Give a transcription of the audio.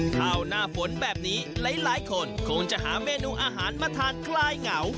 ข้าวหน้าฝนแบบนี้หลายคนคงจะหาเมนูอาหารมาทานคลายเหงา